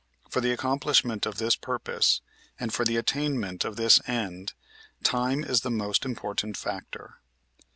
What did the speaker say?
For the accomplishment of this purpose and for the attainment of this end time is the most important factor.